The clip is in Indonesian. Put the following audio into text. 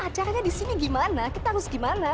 acaranya di sini gimana kita harus gimana